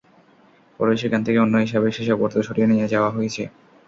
পরে সেখান থেকে অন্য হিসাবে সেসব অর্থ সরিয়ে নিয়ে যাওয়া হয়েছে।